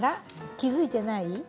気付いてない？